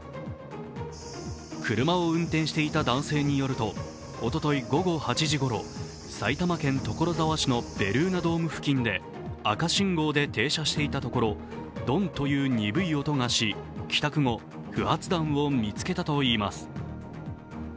車を運転していた男性によるとおととい午後８時ごろ埼玉県所沢市のベルーナドーム付近で赤信号で停車していたところ、ドンという鈍い音がし帰宅後、不発弾を見つけたといいます。